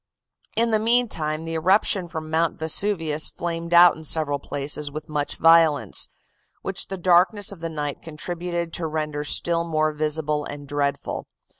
"In the meantime, the eruption from Mount Vesuvius flamed out in several places with much violence, which the darkness of the night contributed to render still more visible and dreadful.